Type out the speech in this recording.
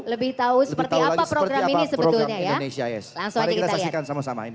lebih tahu seperti apa program ini sebetulnya ya